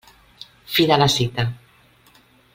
Fi de la cita.